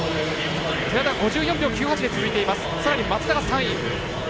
寺田、５４秒９８で続いています。